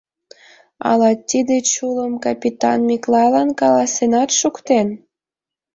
Ала тиде чулым капитан Миклайлан каласенат шуктен.